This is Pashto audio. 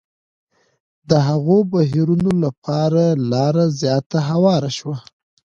د هغو بهیرونو لپاره لاره زیاته هواره شوه.